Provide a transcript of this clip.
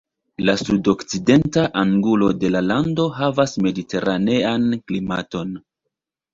La sudokcidenta angulo de la lando havas Mediteranean klimaton.